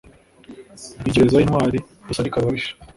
rwigerezaho intwali dusalika ababisha,